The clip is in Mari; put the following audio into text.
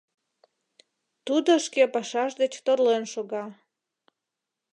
Тудо шке пашаж деч торлен шога.